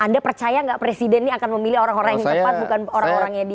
anda percaya nggak presiden ini akan memilih orang orang yang tepat bukan orang orangnya dia